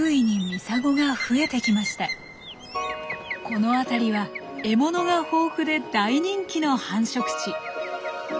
この辺りは獲物が豊富で大人気の繁殖地。